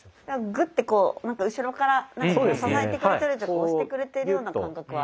グッてこうなんか後ろから支えてくれてるというか押してくれてるような感覚はありますね。